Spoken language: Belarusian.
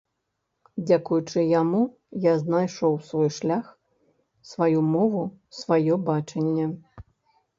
Дзякуючы яму я знайшоў свой шлях, сваю мову, сваё бачанне.